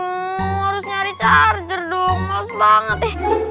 aku harus nyari charger dong males banget ya